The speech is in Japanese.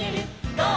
ゴー！」